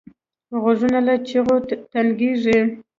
غوږونه له چغو تنګېږي